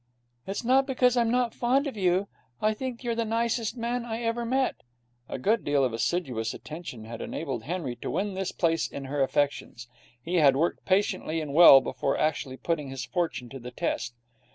'It's not because I'm not fond of you. I think you're the nicest man I ever met.' A good deal of assiduous attention had enabled Henry to win this place in her affections. He had worked patiently and well before actually putting his fortune to the test.